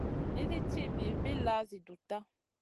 Nisi ci bilbilla zi dutta.